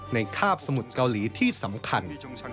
คาบสมุทรเกาหลีที่สำคัญ